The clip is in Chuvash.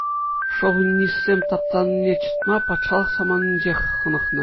Шовинистсем таптанине чӑтма патша саманинчех хӑнӑхнӑ.